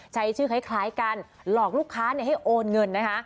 ใช้ชื่อคล้ายกันหลอกลูกค้าให้โอนเงินนะคะ